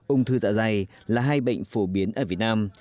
ung thư dạ dày là hai bệnh phổ biến ở việt nam